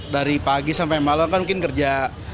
dari pagi sampai malam kan mungkin kerja